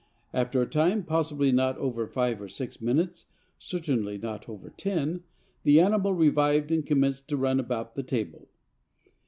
After a time, possibly not over five or six minutes, certainly not over ten, the animal revived and commenced to run about the table."